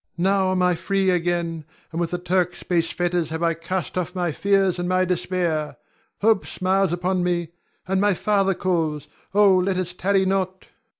Now am I free again, and with the Turk's base fetters have I cast off my fears and my despair. Hope smiles upon me, and my father calls. Oh, let us tarry not.